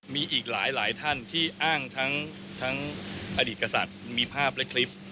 มีอีกหลายท่านที่อ้างทั้งอดีตกษัตริย์มีภาพและคลิป